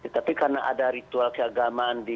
tapi karena ada ritual keagamaan di